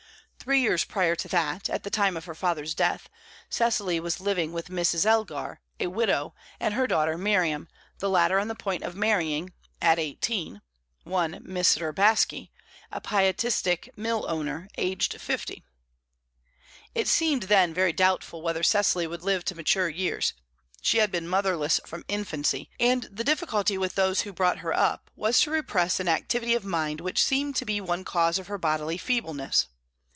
Three years prior to that, at the time of her father's death, Cecily was living with Mrs. Elgar, a widow, and her daughter Miriam, the latter on the point of marrying (at eighteen) one Mr. Baske, a pietistic mill owner, aged fifty. It then seemed very doubtful whether Cecily would live to mature years; she had been motherless from infancy, and the difficulty with those who brought her up was to repress an activity of mind which seemed to be one cause of her bodily feebleness.